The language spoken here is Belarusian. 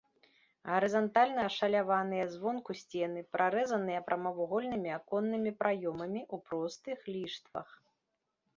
Гарызантальна ашаляваныя звонку сцены прарэзаныя прамавугольнымі аконнымі праёмамі ў простых ліштвах.